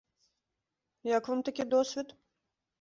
Як вам такі досвед?